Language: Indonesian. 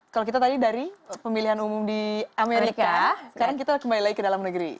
kalau kita tadi dari pemilihan umum di amerika sekarang kita kembali lagi ke dalam negeri